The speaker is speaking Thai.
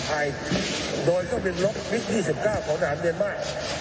ไทยโดยเครื่องบินรถฟิ๊กสี่สิบเก้าของประหกับเนย